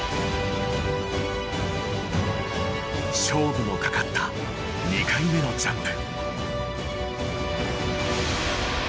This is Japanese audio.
勝負のかかった２回目のジャンプ。